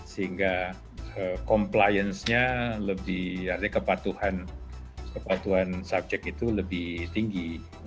sehingga compliance nya lebih artinya kepatuhan subjek itu lebih tinggi